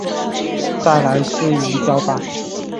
再来是仪表板